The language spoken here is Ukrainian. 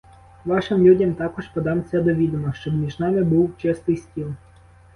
Вашим людям також подам це до відома, щоб між нами був чистий стіл.